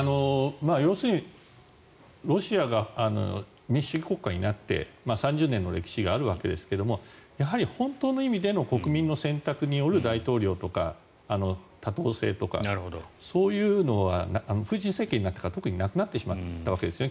要するにロシアが民主主義国家になって３０年の歴史があるわけですがやはり本当の意味での国民の選択による大統領とか多党制とか、そういうのはプーチン政権になってから特になくなってしまったわけですね。